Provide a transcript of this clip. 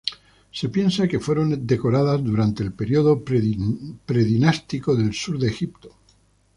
Se piensa que fueron decoradas durante el período predinástico del sur de Egipto.